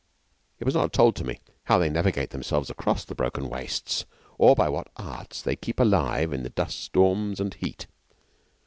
It was not told to me how they navigate themselves across the broken wastes, or by what arts they keep alive in the dust storms and heat.